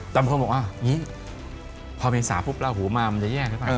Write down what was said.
ตำคงบอกว่าพอเมษาพประหูมามันจะแย่นะครับ